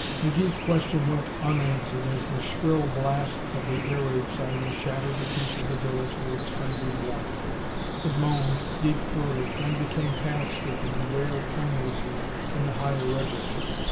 McGee's question went unanswered as the shrill blasts of the air raid siren shattered the peace of the village with its frenzied warning. It moaned, deep throated, then became panic stricken and wailed tremulously in the higher registers.